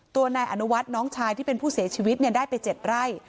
ตัวนายอนุวัฒน์น้องชายที่เป็นผู้เสียชีวิตได้ไป๗ไร่